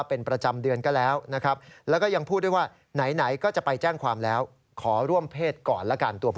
พอผู้หญิงบอกเดี๋ยวไปแจ้งความนะ